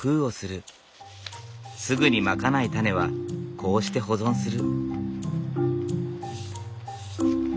すぐにまかないタネはこうして保存する。